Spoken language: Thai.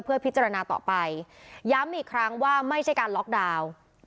เพื่อพิจารณาต่อไปย้ำอีกครั้งว่าไม่ใช่การล็อกดาวน์